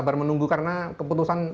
sabar menunggu karena keputusan